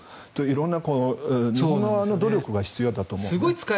色んな日本側の努力が必要だと思います。